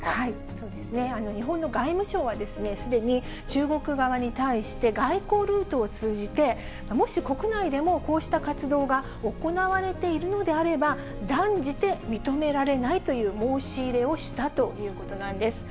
そうですね、日本の外務省はですね、すでに中国側に対して外交ルートを通じて、もし国内でも、こうした活動が行われているのであれば、断じて認められないという申し入れをしたということなんです。